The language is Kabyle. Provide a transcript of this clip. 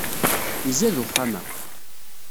Izad uxxam-a.